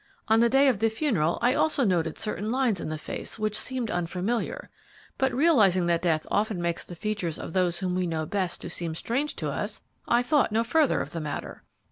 On the day of the funeral I also noted certain lines in the face which seemed unfamiliar, but realizing that death often makes the features of those whom we know best to seem strange to us, I thought no further of the matter.